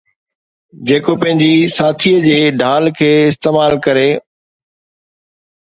جيڪو پنهنجي ساٿيءَ جي ڍال کي استعمال ڪري.